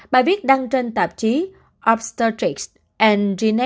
bài viết đăng trên tạp chí obstetrics and disease